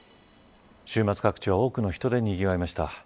週末各地は多くの人でにぎわいました。